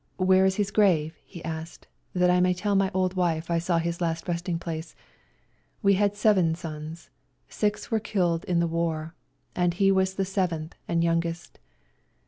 " Where is his grave ?" he asked, " that I may tell my old wife I saw his last resting place. We had seven sons ; six were killed in the war, and he was the seventh and youngest."